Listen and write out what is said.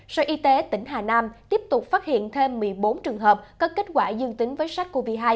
sở y tế tỉnh hà nam tiếp tục phát hiện thêm một mươi bốn trường hợp có kết quả dương tính với sars cov hai